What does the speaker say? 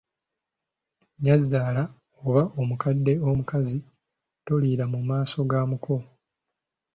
Nnyazaala oba omukadde omukazi toliira mu maaso ga muko.